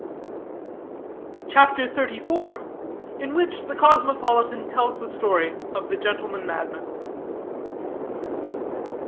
CHAPTER XXXIV. IN WHICH THE COSMOPOLITAN TELLS THE STORY OF THE GENTLEMAN MADMAN.